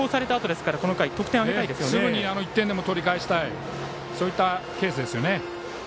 すぐに１点でも取り返したいケースですよね。